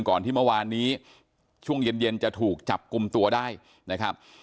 ก่อนที่เมื่อวานนี้ช่วงเย็นเย็นจะถูกจับกลุ่มตัวได้นะครับ